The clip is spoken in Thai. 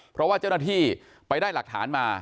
เพราะว่าเจ้าหน้าที่ไปได้หลักฐานมา